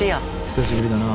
久しぶりだな。